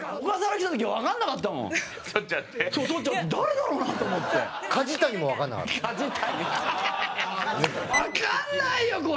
わかんないよ